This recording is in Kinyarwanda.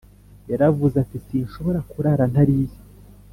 - yaravuze ati: “sinshobora kurara ntariye